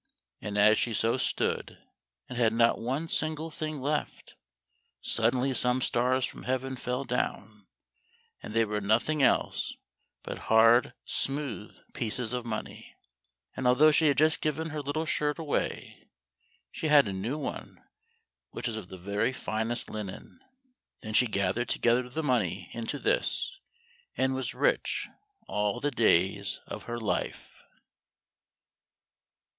And as she so stood, and had not one single thing left, suddenly some stars from heaven fell down, and they were nothing else but hard smooth pieces of money, and although she had just given her little shirt away, she had a new one which was of the very finest linen. Then she gathered together the money into this, and was rich all the days of her life.